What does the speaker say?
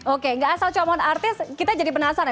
oke gak asal comot artis kita jadi penasaran